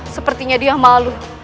sepertinya dia malu